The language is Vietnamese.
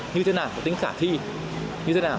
như thế nào tính khả thi như thế nào